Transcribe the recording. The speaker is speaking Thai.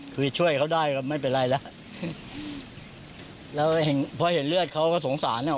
คือช่วยเขาได้ก็ไม่เป็นไรแล้วแล้วพอเห็นเลือดเขาก็สงสารอ่ะ